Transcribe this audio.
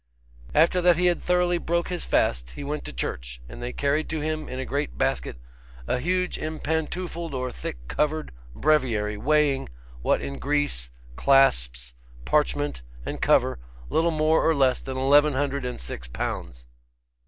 After that he had thoroughly broke his fast, he went to church, and they carried to him, in a great basket, a huge impantoufled or thick covered breviary, weighing, what in grease, clasps, parchment and cover, little more or less than eleven hundred and six pounds.